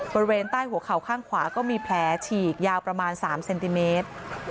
บริเวณใต้หัวเข่าข้างขวาก็มีแผลฉีกยาวประมาณ๓เซนติเมตร